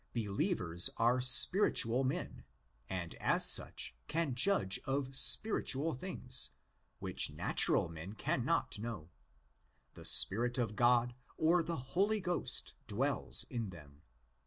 Believers are spiritual men (πνευματικοῦ, and as such can judge of spiritual things, which natural men (ψυχικοὶ ἄνθρωποι) cannot know. The Spirit of God, or the Holy Ghost, dwells in them (ii.